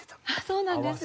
そうなんですね。